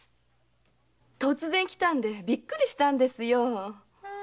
突然来たんでびっくりしたんですよ。